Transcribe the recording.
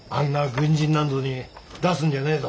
軍人なんぞに出すんじゃねえぞ。